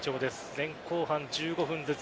前後半１５分ずつ。